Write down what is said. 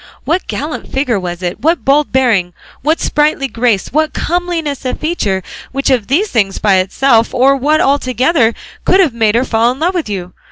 What gallant figure was it, what bold bearing, what sprightly grace, what comeliness of feature, which of these things by itself, or what all together, could have made her fall in love with you?